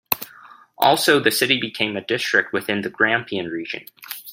Also, the city became a district within the Grampian region.